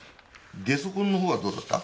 ゲソ痕の方はどうだった？